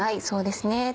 そうですね。